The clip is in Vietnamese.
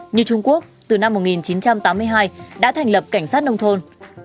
như trung quốc từ năm một nghìn chín trăm tám mươi hai đã thành lập cảnh sát nông thôn